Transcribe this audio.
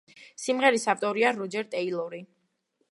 სიმღერის ავტორია როჯერ ტეილორი.